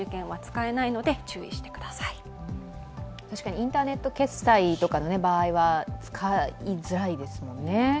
インターネット決済とかの場合は使いづらいですもんね。